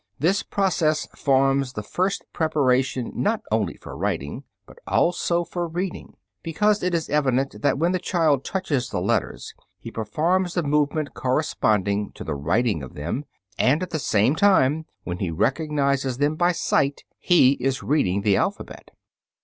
This process forms the first preparation, not only for writing, but also for reading, because it is evident that when the child touches the letters he performs the movement corresponding to the writing of them, and, at the same time, when he recognizes them by sight he is reading the alphabet.